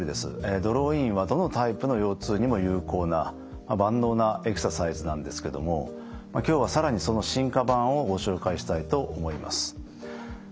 ドローインはどのタイプの腰痛にも有効な万能なエクササイズなんですけども今日は更にその進化版をご紹介したいと思います。